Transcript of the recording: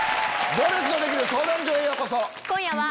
『行列のできる相談所』へようこそ。